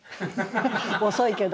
遅いけど。